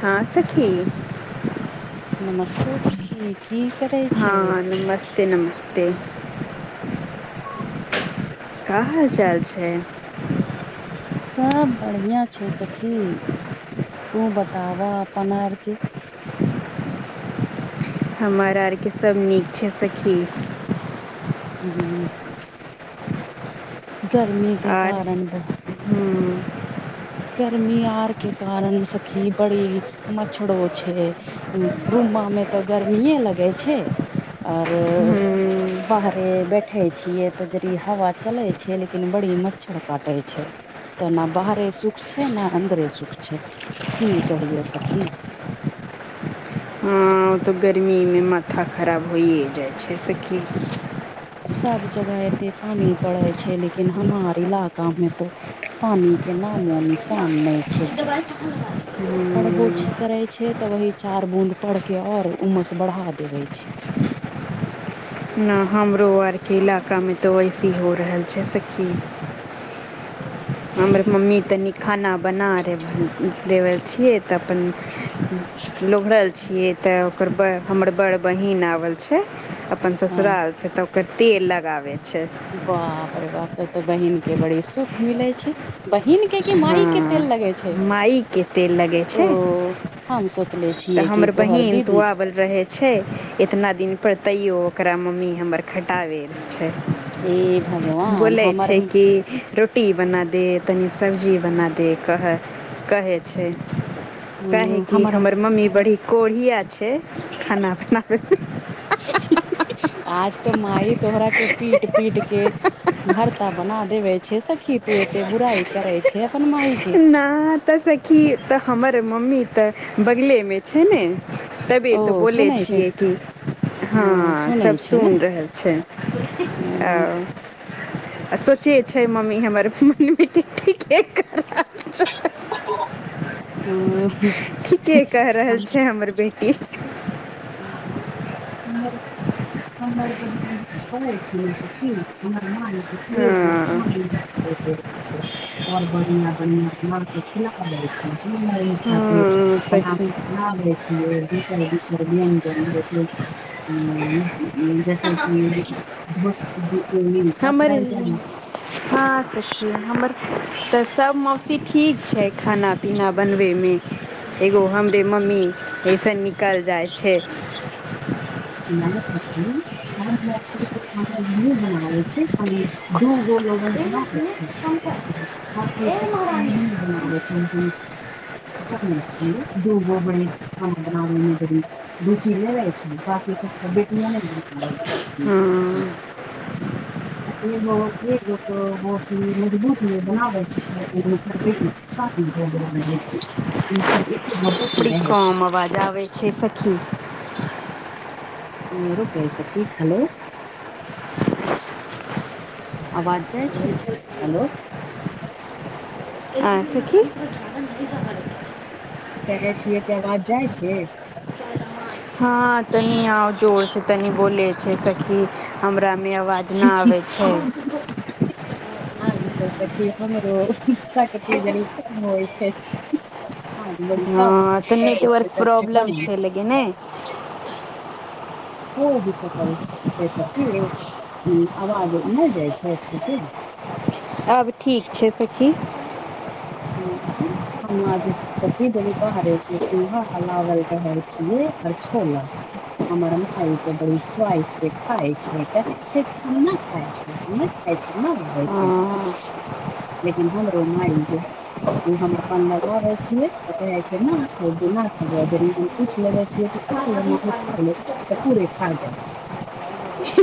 हां ठिक छी नमस्तकार की की करेछी हँ नमस्ते नमस्ते [inaudible] कहाल चाल छै सब बढ़िया छै सखी तू बताबह अपन आरके हमर आरके सभ नीक छै सखी ह गर्मी के कारण बहुत हँ गर्मी आर के कारण स मच्छरो छै रूममा मे तऽ गर्मीए लगै छै आर हूँ बाहरे बैठे छियै तऽ यदि हवा चले छै लेकिन बड़ी मच्छर काटे छै तऽ नहि बाहरे सुख छै ने अन्दरे सुख छै की कहियो सखी हँ तऽ गर्मीमे माथा खराब होइए जाइ छै से किी सब जगह एते पानी पड़े छै लेकिन हमार इलाका मे तो पानी के नामो निशान नहि छै ब [inaudible] हूँ बोछ करे छै तऽ वही चार बूंद पढ़ के और उमस बढ़ा देवे छै नहि हमरो आर केलक का मे तो ओसी हो रहल छै सखी [inaudible] हमर मम्मी तन खाना बना ले दैबल छियै तऽ अपन लुरहल छियै तैन ओकर हमर बड़ बहिन आबल छै अपन हँ ससुरालसँ तऽ ओकर तेल लगाबै छै बाप रे बाप तब तऽ बहिन केँ बड़ी सुख मिले छै बहिन केँ केँ हँ माई केँ तेल लगे छै माइके तेल लगै [inaudible] ओ छै हम सोचले छी तऽ किया की हमर तोहर बहिन दीदी तऽ आबल रहै छै एतना दिन पर तैयो ओकरा मम्मी हमर खटाबै छै ए [unintelligible] भगवान बोलै हमर छै कि रो टी बना दे तनी सब्जी बना दे कहै [inaudible] कहै छै [inaudible] काहेकि हमर मम्मी बड़ी कोरीया आ छै खाना बनाबै में [unintelligible] आज तऽ माइ तोहरा केँ पीट पीट केँ भर्ता बना देवे छै सखी तू एते बुराइ करे छै छै ओकर माई ना तऽ सखी तऽ हमर मम्मी तऽ बगलेमे छै ने तबै ओ तऽ बोले सुनै छै छियै की ओ हँ सुनै सब छै ने सुनि रहल छै [inaudible] आ ओ आ सोचे छै मम्मी हमर [unintelligible] [unintelligible] ठीके कहि रहल छै [unintelligible] हमर बेेटी [unintelligible] [unintelligible] हमर [inaudible] हमर बहिन करै छै न सखी हमर माँ नै हँ हँ सखी [unintelligible] [unintelligible] [unintelligible] [unintelligible] [unintelligible] हमर [unintelligible] हँ सखी हमर तऽ सब मौसी ठीक छै खाना पीना बनबे में एगो हमरे मम्मी ऐसन निकल जाइ छै नै सखी सब के खानाी बना लैत छी ख दू गो लोगन बना लैत छी [unintelligible] [unintelligible] रुचि नै लेे छै बकि सब के हँ [unintelligible] [unintelligible] [unintelligible] [unintelligible] बरी कम आवाज आबै छै सखी। [inaudible] रुक ए सखी हेलो आवाज जाइ छै हेलो सिखी [unintelligible] कहे छियै कि अवाज जाइ छै? हँ तनि आउ जोरसँ तनी बोलै छै। सखी। हमरा में आवाज नहि आबै छै। हाहाहा। हा त सखी हमरो पूज होइ छै। हँ आज बरी हँ टांग दर्द करय छय। केने। हो भी सकय छै। सखी आवाज नहि जाइ छै। अच्छा से। आब ठीक छै। सखी। ह हम आज। सखी जनी बाहरे से सोहा लागल रहे छिय आ छोला। हमर माय त बड़ी चॉइस से खााय छै। कहे छै। कि हम नहि खाय छै। आबय छै। ना बनबे। हँ। लेकिन हमरो माई जे है। ओ हम अप्पन लगाबै छियै तऽ कहै छै। नहि खेबौ खेबो हम पूछि लेबै छियै। खा ले लादी माई खा ले त चाही पूरे खा जाइ छै।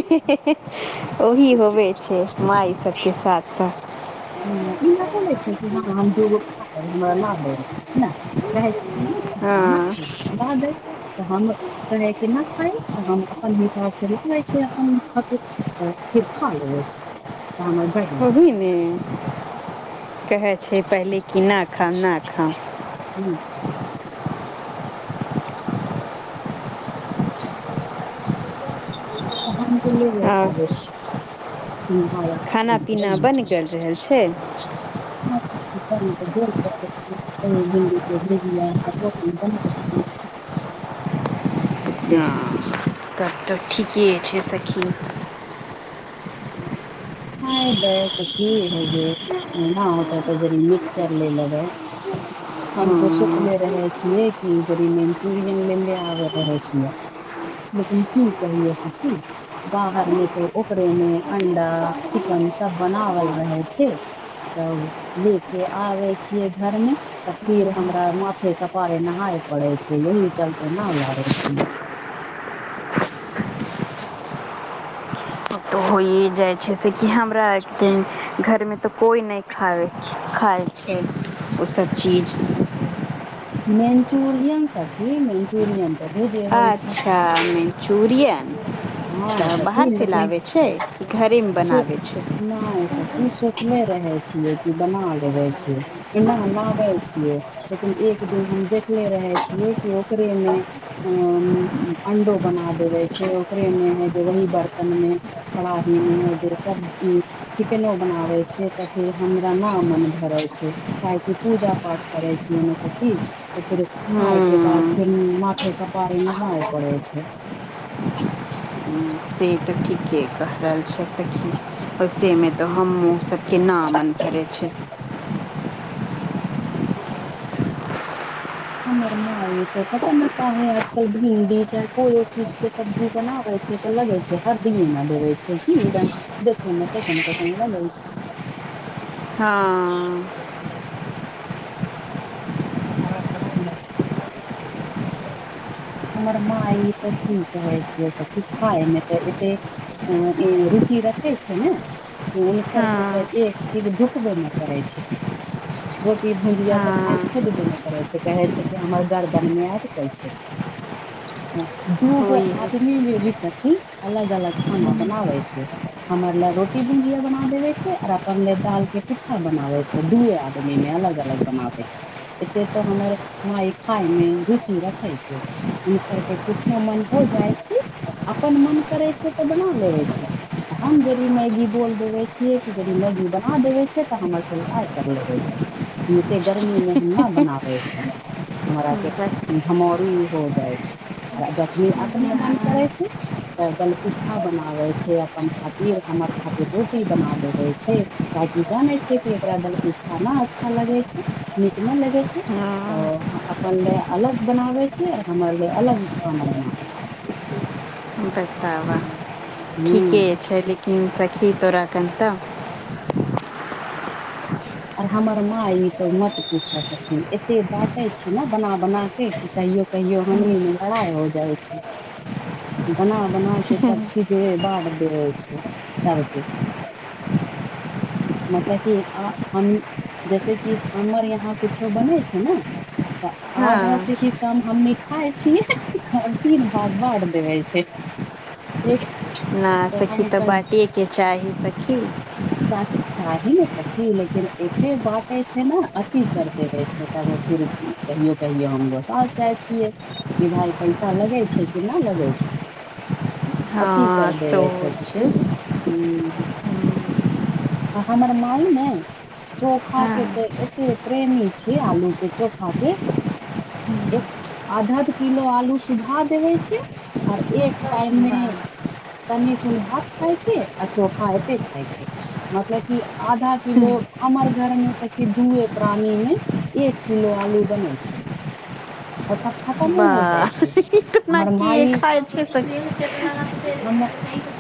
हे हे हे ओही होबे छै। माई सभ के साथ तऽ। ह ई न बोलै छै। कि हँ हम दूगो खाब हमरा लऽ लेब ना। चाहै छै। कि नहि खाय न हँ खा ल दे। तऽ हम कहै के नहि खाय तऽ हम अप्पन हिसाब से न लै छै। अपन ख। तऽ खा लेबै छै। त। ओहि ने कहै छै। पहिले कि नहि खाब नहि खाब। हूम्म। त हम त लेले आबय आब छी सिघड़ा। खाना पीना बनि गेल रहल छै। मांछ के के झोर। भिंडी के भुजिया आ रोटी बन। रहल छय। ह तब तऽ ठीके छै। सखी। हूँ। ह गेय तऽ की है जे न होत तऽ जेनी मिक्सचर लय बै। हम त हँ सुत्लै रहे। [unintelligible] लेकिन की कहियो सखी बाहर मे त। ओकरे में अंडा चिकन सभ बनावल रहे छै। तब ले के आबै छियै घरमे। तऽ फिर हमरा माथे कपारे नहाय पड़े छै। यह चलते न लाबे छिय। इ जाय छै। से कि हमरा एक द घोर में त कोई न खाबे। खाइ छै। ओसभ चीज। मंचूरियन साखी मंचूरियन। अच्छा मंचूरियन। हँ तऽ बाहर सखी से लेकिन लाबे छै। घोरे मे बनावे छै। ह। ई सोचने रहे छियै कि बना लेबे छी। न लाबै छियै लेकिन एक दिन हम देखले रहे छियै कि ओकरे में। अ अंडो बना देबे छै ओकरे मे है त वही बर्तन मे कढ़ाइी मे जे सब की चिकेनो बनाबै छियै तऽ फेर हमरा ना मोन भरै छै काहै की पूजा पाठ करै छीयै न सखी तऽ फेर खाय के हूँ बाद फेर माथे कपारे नहाय पड़ै छै से तऽ ठीके कहि रहल छै सखि से मे तऽ हमु स की ना मन भरै छै [inaudible] हमर माय ते पता ने काहे आज कल भिर कोनो चीज के सब्जी बनाबै छै लगै छै हरदि महिना देवे छै की देखै मे केहन केहन लगै छै हँ हला सब्जी बस हमर माय त कि कहै छिय सखी खाय मे त एते अँ ई रुचि रखै छै ने हुनकर के हँ तऽ एक चीज ढुकबे न करै छै रोटी भुजिया तऽ हँ खाय खोजबे नै करै छै कहै छै कि हमर गर्दन मे अटकै छै दूगो होइ आदमी मे भी सखी अलग अलग खाना बनाबै छै हमर लेय रोटी भुंजिया बना देवे छै और अपन लेय दाल के टिट्ठा बनावै छै दुए आदमि मे अलग अलग बनाबै छै एते तऽ हमर माय खाय मे रुचि रखै छै हुनकर के कुछो मन हो जाइ छै अपन मन करै छै तऽ बना लेबे छै तऽ हम यदि मैगी बोल देबै छियै कि यदि मैगी बना देबै छियै तऽ हमर संग आर कर लगै छै एते गर्मी मे हम न बनाबै छी हमरा हँ के धमौरी हो जाइ छै आ जखनी अपने मन करै छै तऽ दैलपिट्ठा बनाबै छै अपन खातिर हमर खातिर रोटी बना देबै छै ताकि जानै छैै कि एकरा दालपिठा न अच्छा लगै छै नीक न लगै छै तऽ अपन लेय अलग बनाबै छी आ हमर लेय अलग खाना बनाबै छी बताबऽ हूँ ठीके छै लेकिन सखी तोरा कनि तऽ आर हमर माँय ई के मत पूछय सखी एते बाँटे छै न बना बना क कहियो कहियो हमनी मे लड़ाइ हो जाइ छै बना बना क सब चीजबे बाट देबे छै सबके मतलब की आ हम जैस कि हमर यहाँ कुछो बनेै छै ने तऽ आधा से हँ ही काम हमनी खाय छीयै आओर तीन भाग बाट देबे छै ह [unintelligible] इस्स ना सखी तऽ बाँटेके चाही सखी सा चाहि न स की लेकिन एते बाँटे छै न अती कर देबे छै तब फिर कहियो कहियो हम गोसा जाय छियै कि भाय पैसा लगै छै कि न लगै छै। हँ अति कर देबे छ सोच सखि हूँ आ हमर माय नै चोखा हँ के तऽ एते प्रेमी छीयै आलू के चोखा के [inaudible] आध अध किलो आलू सुझा देबै छीयै आर एक टाइम मे वाह कनि सुन भात खाइ छै आ चोखा एते खाइ छै मतलब कि आधा किलो हमर घर में सखी दूए प्राणी मे एक किलो आलू बने छै [inaudible] आ सब खतमो हो जाइ वाह छै ई केना हमर की माई खाइ छै सखी [inaudible] हम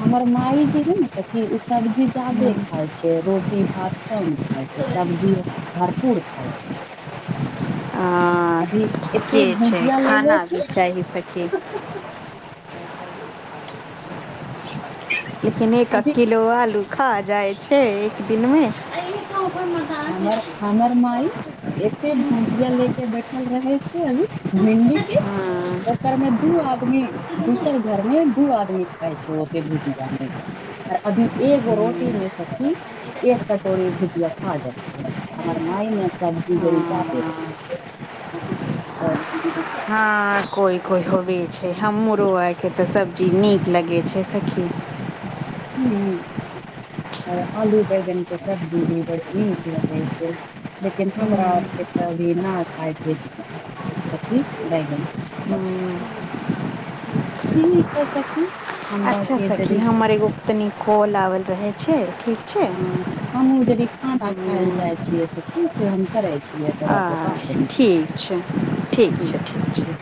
हमर माई जे है ने सखी ओ सब्जी जदे खाय छै रो टी भात कम खाइ छै सब्जी भरपूर खाइ छै। हँ अभी के एतेक छै भुजिया लेबै खाना भी छी- चाही सखी [inaudible] [unintelligible] लेकिन एक एक अभी किलो आलू खा जाइ छै एक दिन में हमर हमर माई [inaudible] एते भुजिया ले केँ बैठल रहे छै अभी भिंडी केँ ओकर में दू आदमी दोसर घरमे दू आदमी खाइ छै ओते भुजिया में अभी एगो रोटी में सखी एक कटोरी भुजिया खा जाइ छै हमर माई ने सब्जी तनी जादे खाय छै। [inaudible] हँ कोइ कोइ होबे छै हमँरो आर केँ तऽ सब्जी नीक लगैत छै सखी। हू [inaudible] आर आलू बैगन केँ सब्जी भी बड़ नीक लगे छै। लेकिन हमरा आर केँ तऽ अभी ना खाय केँ छैय सखी बैगन। [unintelligible] ठीक हय सखी हमरा अच्छा के सखी जरी हमर एगो तनी कॉल आबल रहै छै ठीक छै हँ हमहूँ जनी खाना खायले हूँ जाय छियै सेखी फेर हम करे छियै तोरा आ के बाद मे ठीक छै ठीक छै ठीक छै।